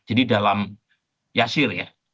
jadi dalam yasir ya